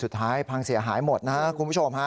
สุดท้ายพังเสียหายหมดนะคุณผู้ชม